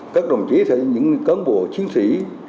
các đồng chí sẽ như những cấn bộ chiến sĩ